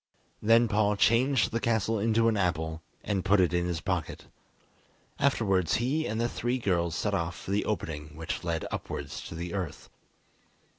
Then Paul changed the castle into an apple, and put it in his pocket. Afterwards he and the three girls set off for the opening which led upwards to the earth.